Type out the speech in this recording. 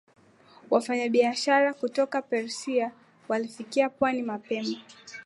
Wafanyabiashara kutoka Persia walifikia pwani mapema